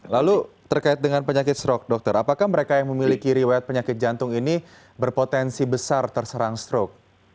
lalu terkait dengan penyakit stroke dokter apakah mereka yang memiliki riwayat penyakit jantung ini berpotensi besar terserang strok